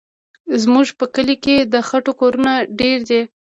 زموږ په کلي کې د خټو کورونه ډېر دي.